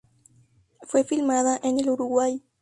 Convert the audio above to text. Fue filmada en el Uruguay.